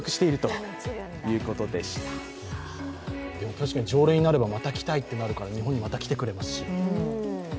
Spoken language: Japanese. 確かに、常連になればまた来たいとなって日本にまた来てくれますし。